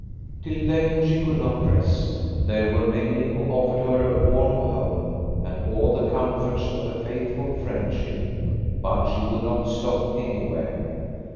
Till then she could not rest There were many who offered her a warm home and all the comforts of a faithful friendship, but she would not stop any where.